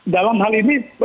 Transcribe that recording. dalam hal ini